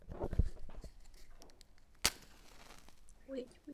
Přijali jsme zde například zástupce opozice plukovníka Kaddáfího.